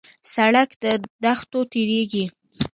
سړک له دښتو تېرېږي.